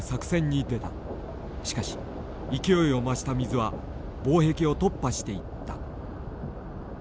しかし勢いを増した水は防壁を突破していった。